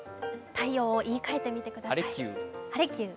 太陽を言いかえてみてください。